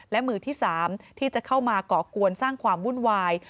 และมือที่๓ที่จะเข้ามาก่อกวนสร้างความวุ่นวาย